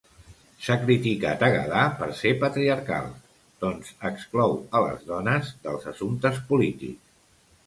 S'ha criticat a Gadaa per ser patriarcal, doncs exclou a les dones dels assumptes polítics.